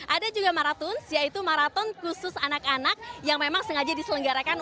ada juga marathons yaitu marathon khusus anak anak yang memang sengaja diselenggarakan